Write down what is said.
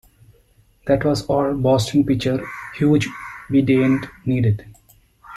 That was all Boston pitcher Hugh Bedient needed.